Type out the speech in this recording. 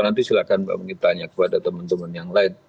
nanti silahkan mbak mengintanya kepada teman teman yang lain